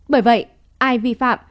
bởi vậy ai vi phạm